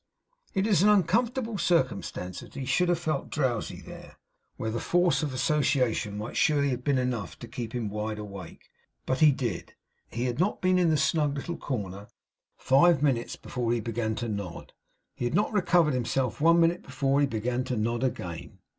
It is an unaccountable circumstance that he should have felt drowsy there, where the force of association might surely have been enough to keep him wide awake; but he did. He had not been in the snug little corner five minutes before he began to nod. He had not recovered himself one minute before he began to nod again.